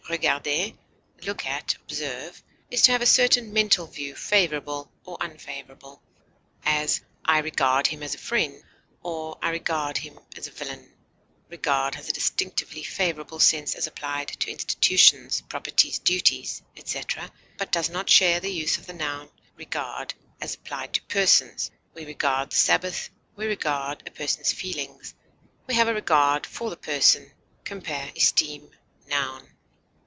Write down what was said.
regarder, look at, observe) is to have a certain mental view favorable or unfavorable; as, I regard him as a friend; or, I regard him as a villain; regard has a distinctively favorable sense as applied to institutions, proprieties, duties, etc., but does not share the use of the noun regard as applied to persons; we regard the Sabbath; we regard a person's feelings; we have a regard for the person. Compare ESTEEM, _n.